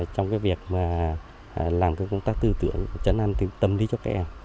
trong việc làm công tác tư tưởng chấn ăn tâm lý cho các em